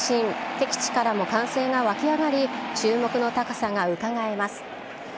敵地からも歓声が沸き上がり、注目の高さがうかがえます。